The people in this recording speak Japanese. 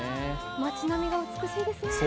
街並みが美しいですね。